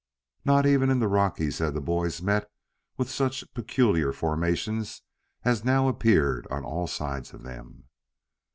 Not even in the Rockies had the boys met with such peculiar formations as now appeared on all sides of them.